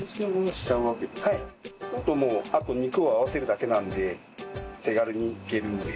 そうするともうあと肉を合わせるだけなので手軽にいけるので。